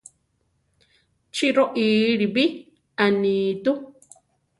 Chí roʼíli bi, anitú.